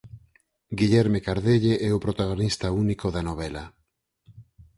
Guillerme Cardelle é o protagonista único da novela.